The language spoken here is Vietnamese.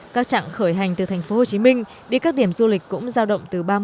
các trạng khởi hành từ thành phố hồ chí minh đi các điểm du lịch cũng giao động từ ba mươi đến bảy mươi phần trăm